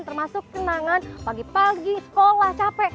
termasuk kenangan pagi pagi sekolah capek